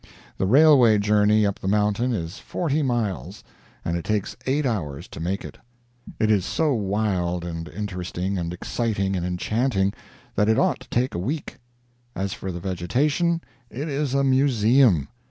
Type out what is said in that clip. The railway journey up the mountain is forty miles, and it takes eight hours to make it. It is so wild and interesting and exciting and enchanting that it ought to take a week. As for the vegetation, it is a museum.